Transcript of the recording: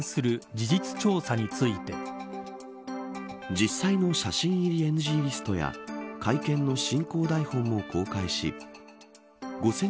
実際の写真入りＮＧリストや会見の進行台本も公開し５０００